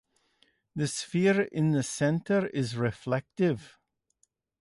The sphere in the center is reflective.